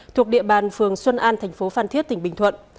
thuộc địa bàn phường xuân an thành phố phan thiết tỉnh bình thuận